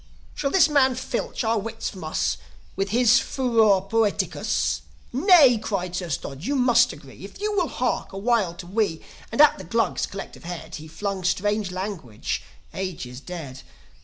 "Shall this man filch our wits from us With his furor poeticus? Nay!" cried Sir Stodge. "You must agree, If you will hark a while to me And at the Glugs' collective head He flung strange language, ages dead.